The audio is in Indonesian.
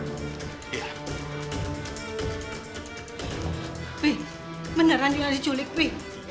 wih beneran yuna diculik wih